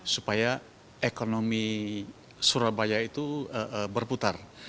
supaya ekonomi surabaya itu berputar